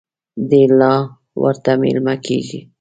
دی لا ورته مېلمه کېږي.